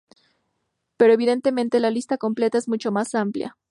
Pero evidentemente la lista completa es mucho más amplia.